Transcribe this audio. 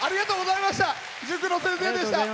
塾の先生でした。